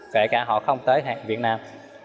kể cả họ không tới việt nam